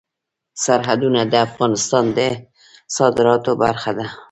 سرحدونه د افغانستان د صادراتو برخه ده.